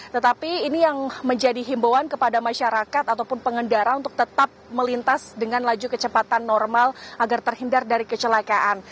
tetapi ini yang menjadi himbauan kepada masyarakat ataupun pengendara untuk tetap melintas dengan laju kecepatan normal agar terhindar dari kecelakaan